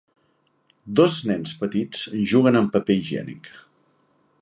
Dos nens petits juguen amb paper higiènic.